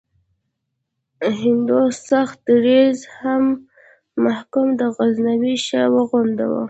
هندو سخت دریځو هم محمود غزنوي ښه وغنده.